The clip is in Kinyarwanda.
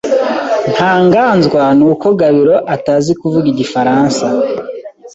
Ntangazwa nuko Gabiro atazi kuvuga igifaransa.